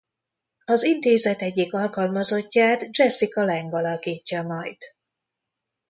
Az intézet egyik alkalmazottját Jessica Lange alakítja majd.